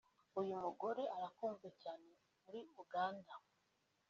uyu mugore arakunzwe cyane muri Uganda